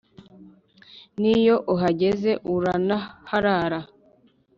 N' iyo uhageze uranaharara